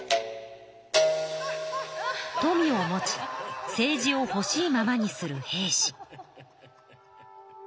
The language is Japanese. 富を持ち政治をほしいままにする平氏。